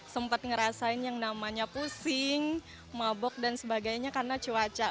sempat ngerasain yang namanya pusing mabok dan sebagainya karena cuaca